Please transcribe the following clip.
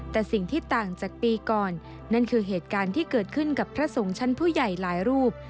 แต่สิ่งที่ต่างจากปีก่อนนั่นคือเหตุการณ์ที่เกิดขึ้นกับพระสงฆ์ชั้นผู้ใหญ่หลายรูป